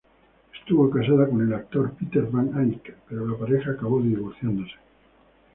Estuvo casada con el actor Peter Van Eyck, pero la pareja acabó divorciándose.